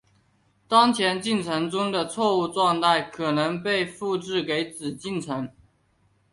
当前进程中的错误状态可能被复制给子进程。